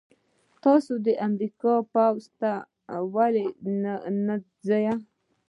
تاسې د امریکا پوځ ته ولې نه ځئ؟